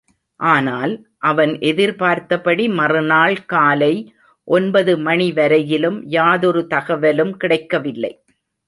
ஆனால், அவன் எதிர்பார்த்தபடி மறு நாள் காலை ஒன்பது மணிவரையிலும் யாதொரு தகவலும் கிடைக்கவில்லை.